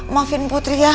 maafin putri ya